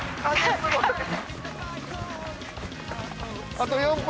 あと４分！